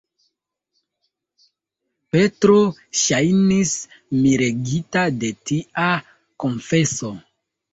Petro ŝajnis miregita de tia konfeso.